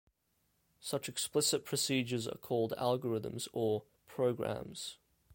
Such explicit procedures are called algorithms or "programs".